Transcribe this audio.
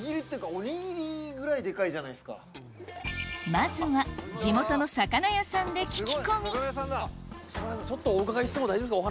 まずは地元の魚屋さんで聞き込みちょっとお伺いしても大丈夫ですか？